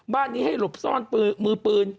บ้านนี้ให้หลบซ่อนมือปืน